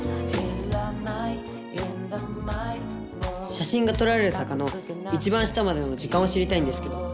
写真が撮られる坂の一番下までの時間を知りたいんですけど。